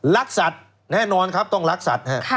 รักสัตว์แน่นอนครับต้องรักสัตว์ฮะ